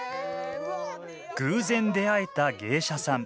偶然出会えた芸者さん。